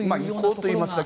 意向といいますか